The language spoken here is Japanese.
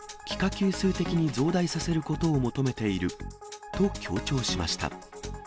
級数的に増大させることを求めていると強調しました。